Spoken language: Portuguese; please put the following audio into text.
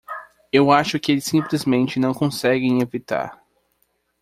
Eu acho que eles simplesmente não conseguem evitar.